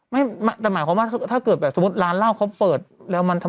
ไม่แต่หมายความว่าถ้าเกิดแบบสมมุติร้านเหล้าเขาเปิดแล้วมันทำ